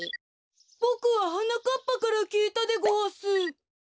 ボクははなかっぱからきいたでごわす。